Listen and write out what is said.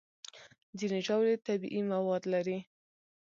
ځینې ژاولې طبیعي مواد لري.